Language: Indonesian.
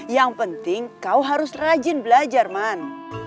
yang penting kau harus rajin belajar man